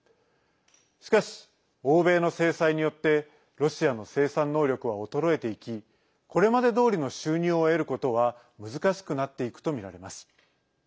しかし、欧米の制裁によってロシアの生産能力は衰えていきこれまでどおりの収入を得ることは難しくなっていくとみられます。